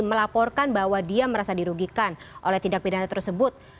melaporkan bahwa dia merasa dirugikan oleh tindak pidana tersebut